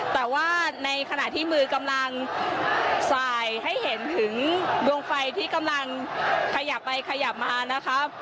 แต่ว่าในขณะที่มือกำลังสายให้เห็นถึงดวงไฟที่กำลังขยับไปขยับมานะคะ